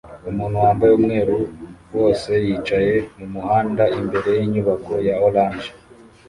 Umuntu wambaye umweru wose yicaye mumuhanda imbere yinyubako ya orange